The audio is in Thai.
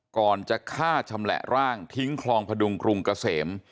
ก่อนจะฆ่าชำแหละร่างทิ้งคลองพดุงกรุงเกษม